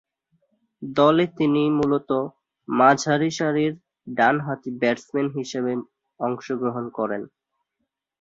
দলে তিনি মূলতঃ মাঝারি সারির ডানহাতি ব্যাটসম্যান হিসেবে অংশগ্রহণ করেন।